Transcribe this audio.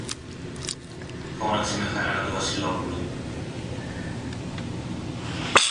φώναξε με χαρά το Βασιλόπουλο.